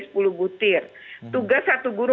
sepuluh butir tugas satu guru